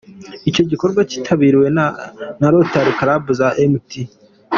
Icyo gikorwa cyitabiriwe na Rotary Club za Mt.